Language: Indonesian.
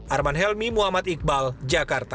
arman helmi muhammad iqbal jakarta